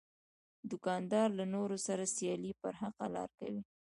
دوکاندار له نورو سره سیالي پر حقه لار کوي.